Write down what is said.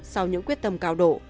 sau những quyết tâm cao độ